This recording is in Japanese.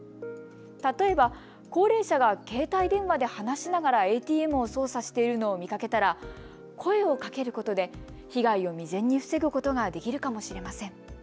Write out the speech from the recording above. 例えば高齢者が携帯電話で話しながらＡＴＭを操作しているのを見かけたら声をかけることで被害を未然に防ぐことができるかもしれません。